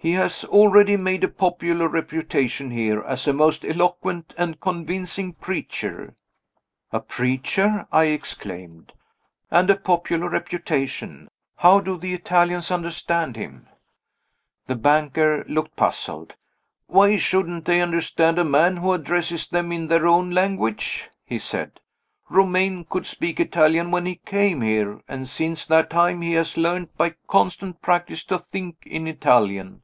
He has already made a popular reputation here, as a most eloquent and convincing preacher " "A preacher!" I exclaimed. "And a popular reputation! How do the Italians understand him?" The banker looked puzzled. "Why shouldn't they understand a man who addresses them in their own language?" he said. "Romayne could speak Italian when he came here and since that time he has learned by constant practice to think in Italian.